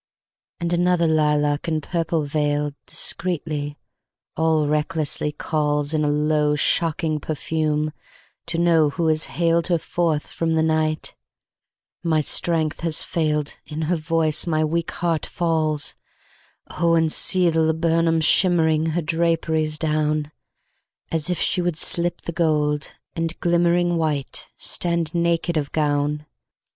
And another lilac in purple veiledDiscreetly, all recklessly callsIn a low, shocking perfume, to know who has hailedHer forth from the night: my strength has failedIn her voice, my weak heart falls:Oh, and see the laburnum shimmeringHer draperies down, As if she would slip the gold, and glimmeringWhite, stand naked of gown.